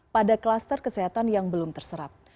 pada kluster kesehatan yang belum terserap